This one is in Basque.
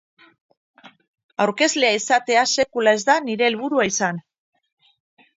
Aurkezlea izatea sekula ez da nire helburua izan.